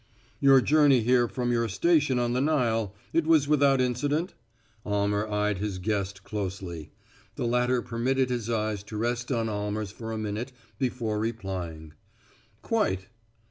"Your journey here from your station on the Nile it was without incident?" Almer eyed his guest closely. The latter permitted his eyes to rest on Almer's for a minute before replying. "Quite."